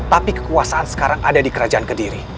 tapi kekuasaan sekarang ada di kerajaan kediri